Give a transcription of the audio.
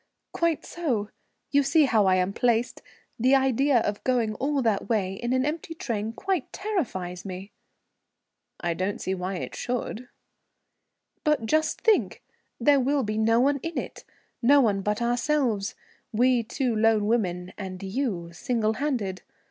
"Quite so. You see how I am placed. The idea of going all that way in an empty train quite terrifies me." "I don't see why it should." "But just think. There will be no one in it, no one but ourselves. We two lone women and you, single handed.